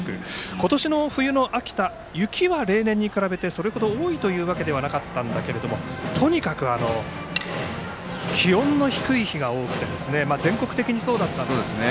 今年の冬の秋田雪は例年に比べてそれほど多いわけではなかったけれどもとにかく気温の低い日が多くて全国的にそうだったんですが。